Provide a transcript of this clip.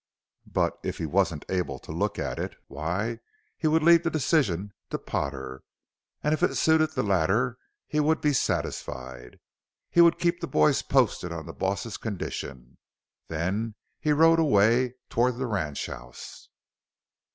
But if he wasn't able to look at it, why he would leave the decision to Potter, and if it suited the latter he would be satisfied. He would keep the boys posted on the boss's condition. Then he rode away toward the ranchhouse.